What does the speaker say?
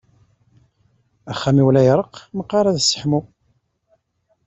Axxam-iw la iṛeqq, meqqaṛ ad sseḥmuɣ.